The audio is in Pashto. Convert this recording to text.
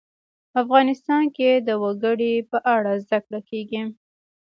افغانستان کې د وګړي په اړه زده کړه کېږي.